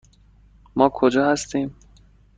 ما کجا هستیم؟